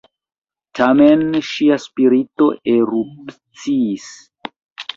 Tamen ŝia spirito erupciis.